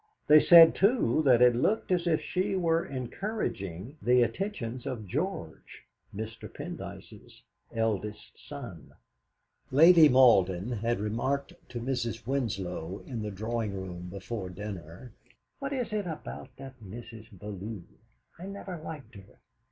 They said, too, that it looked as if she were encouraging the attentions of George, Mr. Pendyce's eldest son. Lady Malden had remarked to Mrs. Winlow in the drawing room before dinner: "What is it about that Mrs. Bellew? I never liked her.